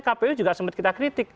kpu juga sempat kita kritik